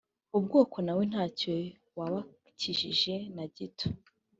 ubwoko nawe nta cyo wabakijije na gito